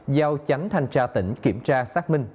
giao chánh thanh tra tỉnh kiểm tra xác minh